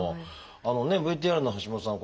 あのねＶＴＲの橋下さん